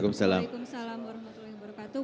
waalaikumsalam warahmatullahi wabarakatuh